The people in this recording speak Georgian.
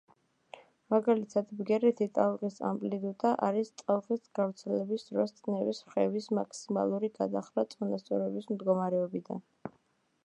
მაგალითად, ბგერითი ტალღის ამპლიტუდა არის ტალღის გავრცელების დროს წნევის რხევის მაქსიმალური გადახრა წონასწორობის მდგომარეობიდან.